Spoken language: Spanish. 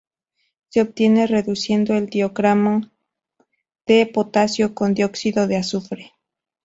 Se obtiene reduciendo el dicromato de potasio con dióxido de azufre.